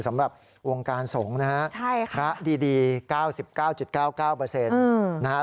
สำหรับวงการสงฆ์นะฮะพระดี๙๙๙๙๙๙นะฮะ